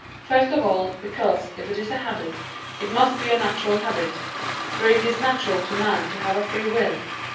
First of all, because, if it is a habit, it must be a natural habit; for it is natural to man to have a free will.